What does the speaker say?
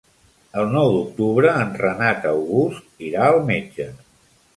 El nou d'octubre en Renat August irà al metge.